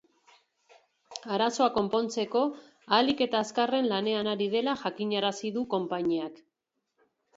Arazoa konpontzeko ahalik eta azkarren lanean ari dela jakinarazi du konpainiak.